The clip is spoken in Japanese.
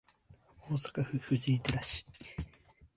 大阪府藤井寺市